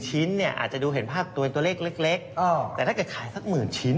๑ชิ้นอาจจะดูเห็นภาพตัวเล็กแต่ถ้าเกิดขาย๑๐๐๐๐ชิ้น